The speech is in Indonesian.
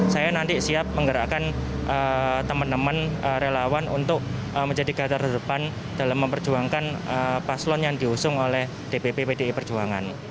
saya nanti siap menggerakkan teman teman relawan untuk menjadi gator depan dalam memperjuangkan paslon yang diusung oleh dpp pdi perjuangan